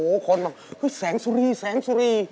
ให้สี่สังแสงสุรี